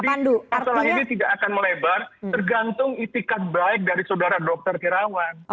jadi masalah ini tidak akan melebar tergantung itikat baik dari saudara dokter terawan